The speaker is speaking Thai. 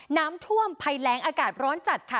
น้ำท่วมภัยแรงอากาศร้อนจัดค่ะ